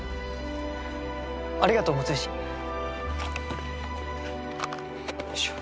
ありがとう六石。よいしょ。